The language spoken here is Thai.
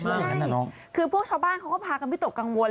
ใช่คือพวกชาวบ้านเขาก็พากันวิตกกังวล